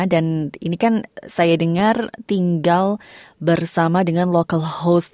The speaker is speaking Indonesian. dan ini kan saya dengar tinggal bersama dengan local host